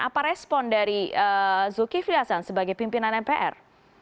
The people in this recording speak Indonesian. apa respon dari zulkifli hasan sebagai pimpinan mpr